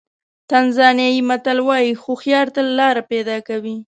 تانزانیایي متل وایي هوښیار تل لاره پیدا کوي.